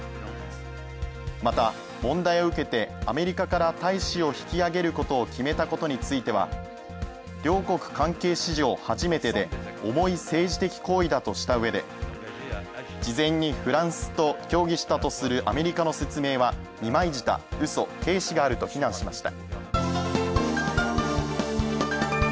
また、問題を受けてアメリカから大使を引き上げることを決めたことについては、「両国関係史上初めてで、重い政治的行為だ」とした上で事前にフランスと協議したとするアメリカの説明は「二枚舌、うそ、軽視がある」と非難しました。